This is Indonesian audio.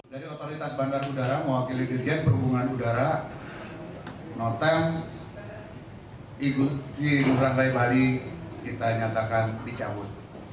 dari otoritas bandar udara mewakili diri yang berhubungan udara notem igu si ngurah rai bali kita nyatakan dicabut